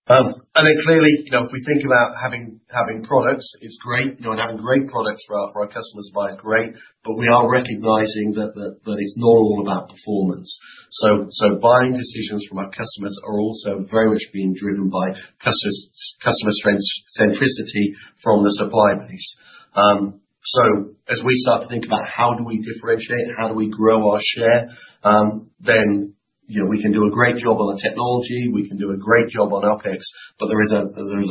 [SPEAKER 3] And then clearly, if we think about having products, it's great. And having great products for our customers is great. But we are recognizing that it's not all about performance. So buying decisions from our customers are also very much being driven by customer centricity from the supply base. So as we start to think about how do we differentiate, how do we grow our share, then we can do a great job on the technology. We can do a great job on OpEx, but there is a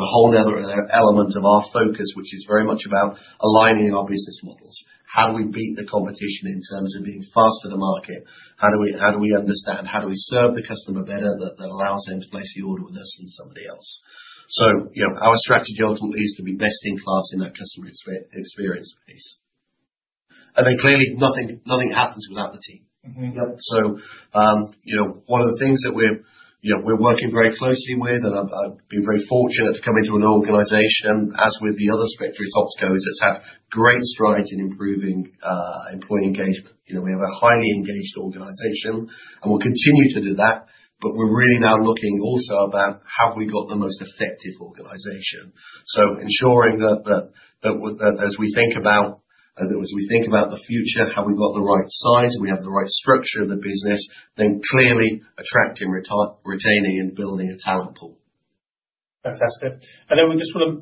[SPEAKER 3] whole nother element of our focus, which is very much about aligning our business models. How do we beat the competition in terms of being faster to market? How do we understand? How do we serve the customer better that allows them to place the order with us than somebody else? Our strategy ultimately is to be best in class in that customer experience base. Then clearly, nothing happens without the team. One of the things that we're working very closely with, and I've been very fortunate to come into an organization, as with the other Spectris ops guys, has had great strides in improving employee engagement. We have a highly engaged organization, and we'll continue to do that. We're really now looking also about how we have the most effective organization. Ensuring that as we think about the future, have we got the right size, we have the right structure of the business, then clearly attracting, retaining, and building a talent pool. Fantastic.
[SPEAKER 1] We just want to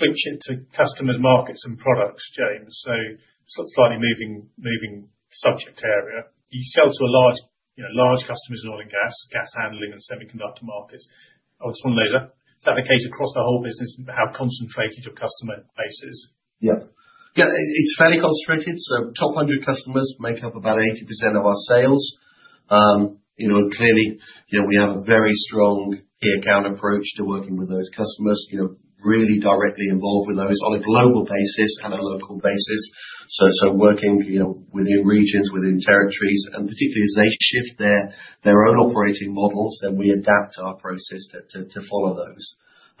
[SPEAKER 1] switch into customers' markets and products, James. Slightly moving subject area. You sell to a large customer's oil and gas, gas handling, and semiconductor markets. I just want to know, is that the case across the whole business? How concentrated your customer base is?
[SPEAKER 3] Yeah. Yeah. It's fairly concentrated. So top 100 customers make up about 80% of our sales. And clearly, we have a very strong key account approach to working with those customers, really directly involved with those on a global basis and a local basis. So working within regions, within territories, and particularly as they shift their own operating models, then we adapt our process to follow those.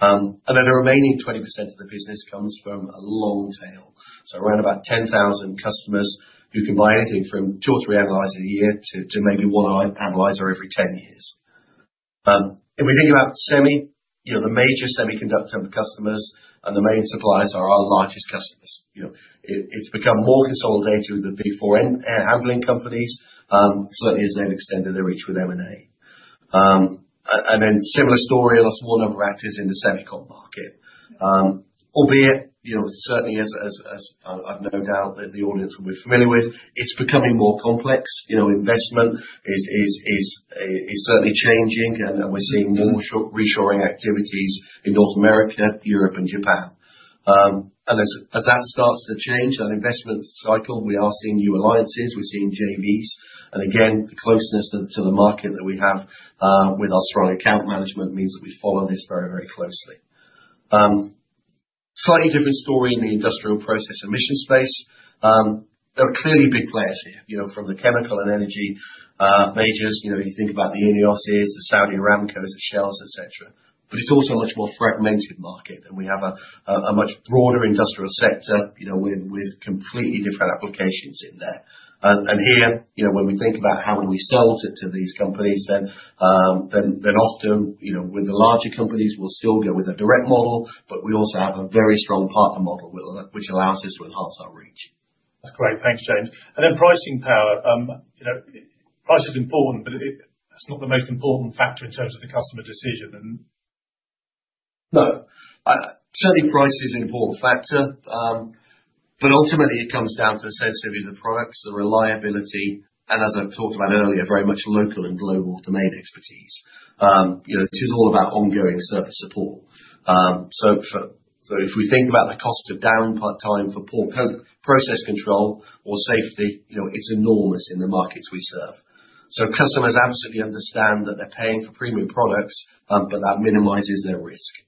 [SPEAKER 3] And then the remaining 20% of the business comes from a long tail. So around about 10,000 customers who can buy anything from two or three analyzers a year to maybe one analyzer every 10 years. If we think about semi, the major semiconductor customers and the main suppliers are our largest customers. It's become more consolidated with the big four handling companies, certainly as they've extended their reach with M&A, and then similar story, a lot smaller number of actors in the semiconductor market. Albeit, certainly, as I've no doubt that the audience will be familiar with, it's becoming more complex. Investment is certainly changing, and we're seeing more reshoring activities in North America, Europe, and Japan, and as that starts to change that investment cycle, we are seeing new alliances. We're seeing JVs, and again, the closeness to the market that we have with our strong account management means that we follow this very, very closely. Slightly different story in the industrial process emission space. There are clearly big players here from the chemical and energy majors. You think about the INEOS, the Saudi Aramcos, the Shells, etc. But it's also a much more fragmented market, and we have a much broader industrial sector with completely different applications in there. And here, when we think about how do we sell to these companies, then often with the larger companies, we'll still go with a direct model, but we also have a very strong partner model, which allows us to enhance our reach.
[SPEAKER 1] That's great. Thanks, James. And then pricing power. Price is important, but it's not the most important factor in terms of the customer decision, and.
[SPEAKER 3] No. Certainly, price is an important factor. But ultimately, it comes down to the sensitivity of the products, the reliability, and as I've talked about earlier, very much local and global domain expertise. This is all about ongoing service support. So if we think about the cost of downtime for poor process control or safety, it's enormous in the markets we serve. So customers absolutely understand that they're paying for premium products, but that minimizes their risk.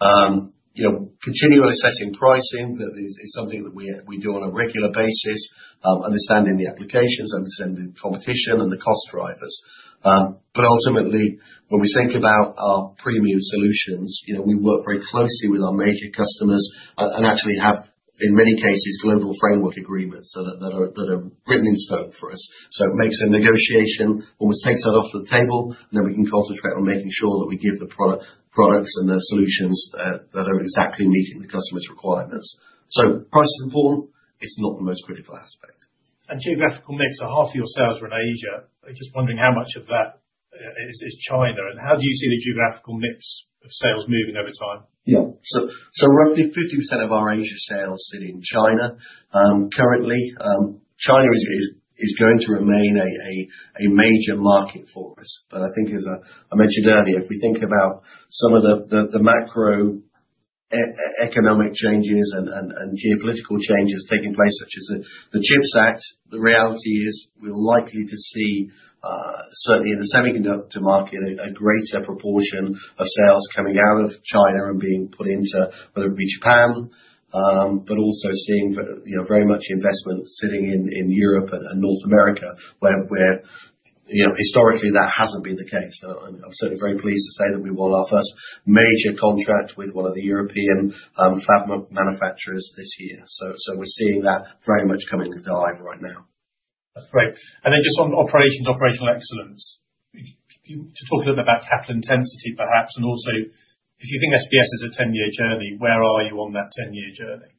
[SPEAKER 3] Continually assessing pricing is something that we do on a regular basis, understanding the applications, understanding the competition, and the cost drivers. But ultimately, when we think about our premium solutions, we work very closely with our major customers and actually have, in many cases, global framework agreements that are written in stone for us. So it makes a negotiation, almost takes that off the table, and then we can concentrate on making sure that we give the products and the solutions that are exactly meeting the customer's requirements.
[SPEAKER 1] So price is important.
[SPEAKER 3] It's not the most critical aspect.
[SPEAKER 1] And geographical mix? Half of your sales are in Asia. Just wondering how much of that is China and how do you see the geographical mix of sales moving over time?
[SPEAKER 3] Yeah, so roughly 50% of our Asia sales sit in China currently. China is going to remain a major market for us, but I think, as I mentioned earlier, if we think about some of the macroeconomic changes and geopolitical changes taking place, such as the CHIPS Act, the reality is we're likely to see, certainly in the semiconductor market, a greater proportion of sales coming out of China and being put into, whether it be Japan, but also seeing very much investment sitting in Europe and North America, where historically that hasn't been the case, and I'm certainly very pleased to say that we won our first major contract with one of the European fab manufacturers this year. So we're seeing that very much coming to life right now.
[SPEAKER 1] That's great. And then just on operations, operational excellence, to talk a little bit about capital intensity, perhaps, and also if you think SBS is a 10-year journey, where are you on that 10-year journey?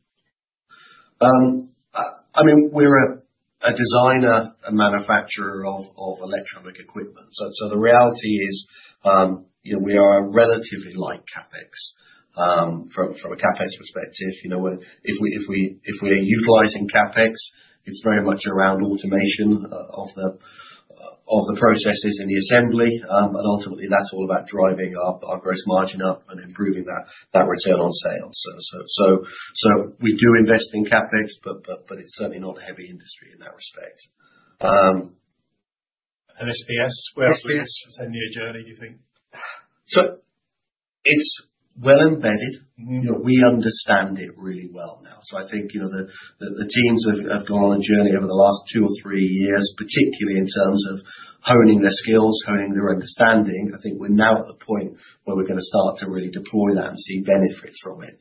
[SPEAKER 3] I mean, we're a designer and manufacturer of electronic equipment. So the reality is we are relatively light CapEx. From a CapEx perspective, if we are utilizing CapEx, it's very much around automation of the processes and the assembly. And ultimately, that's all about driving our gross margin up and improving that return on sales. So we do invest in CapEx, but it's certainly not a heavy industry in that respect.
[SPEAKER 1] And SBS, where else are you on this 10-year journey, do you think?
[SPEAKER 3] So it's well embedded. We understand it really well now. I think the teams have gone on a journey over the last two or three years, particularly in terms of honing their skills, honing their understanding. I think we're now at the point where we're going to start to really deploy that and see benefits from it.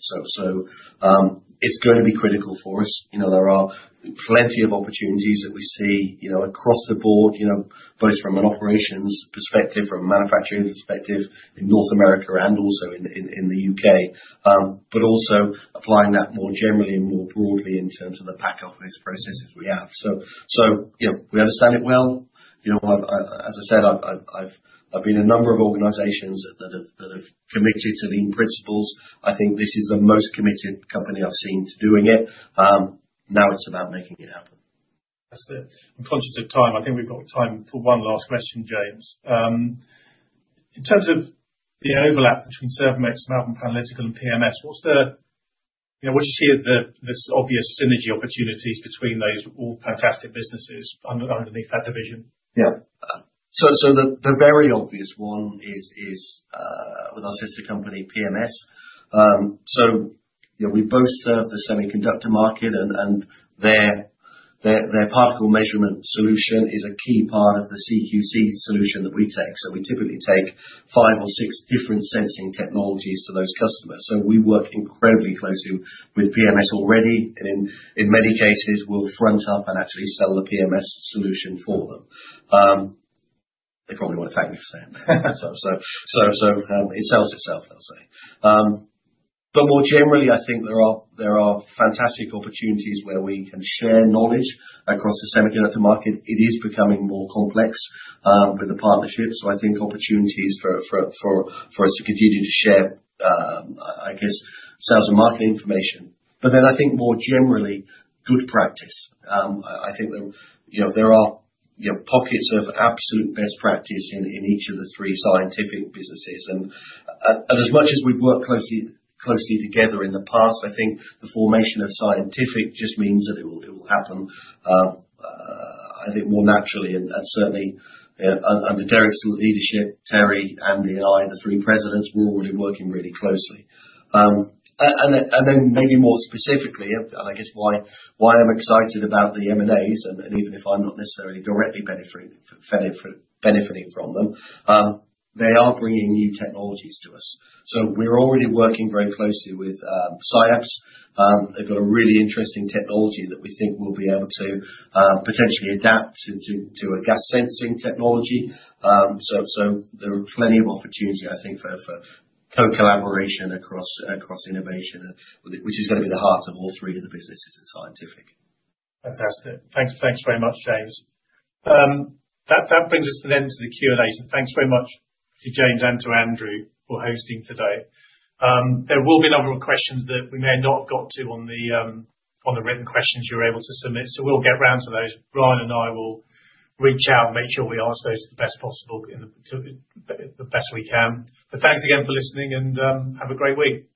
[SPEAKER 3] It's going to be critical for us. There are plenty of opportunities that we see across the board, both from an operations perspective, from a manufacturing perspective in North America and also in the UK, but also applying that more generally and more broadly in terms of the back-office processes we have. We understand it well. As I said, I've been in a number of organizations that have committed to lean principles. I think this is the most committed company I've seen to doing it. Now it's about making it happen.
[SPEAKER 1] Fantastic. I'm conscious of time. I think we've got time for one last question, James. In terms of the overlap between Servomex, Malvern Panalytical, and PMS, what do you see as the obvious synergy opportunities between those all fantastic businesses underneath that division?
[SPEAKER 3] Yeah. So the very obvious one is with our sister company, PMS. So we both serve the semiconductor market, and their particle measurement solution is a key part of the CQC solution that we take. So we typically take five or six different sensing technologies to those customers. So we work incredibly closely with PMS already. And in many cases, we'll front up and actually sell the PMS solution for them. They probably want to thank me for saying that. So it sells itself, I'll say. But more generally, I think there are fantastic opportunities where we can share knowledge across the semiconductor market. It is becoming more complex with the partnership. So I think opportunities for us to continue to share, I guess, sales and market information. But then I think more generally, good practice. I think there are pockets of absolute best practice in each of the three scientific businesses. And as much as we've worked closely together in the past, I think the formation of scientific just means that it will happen, I think, more naturally. And certainly, under Derek's leadership, Terry, Andy, and I, the three presidents, we're already working really closely. And then maybe more specifically, and I guess why I'm excited about the M&As, and even if I'm not necessarily directly benefiting from them, they are bringing new technologies to us. So we're already working very closely with SciAps. They've got a really interesting technology that we think we'll be able to potentially adapt to a gas sensing technology. So there are plenty of opportunities, I think, for co-collaboration across innovation, which is going to be the heart of all three of the businesses in scientific.
[SPEAKER 1] Fantastic. Thanks very much, James. That brings us then to the Q&A. So thanks very much to James and to Andrew for hosting today. There will be a number of questions that we may not have got to on the written questions you're able to submit. So we'll get around to those. Brian and I will reach out and make sure we answer those the best possible in the best we can. But thanks again for listening, and have a great week.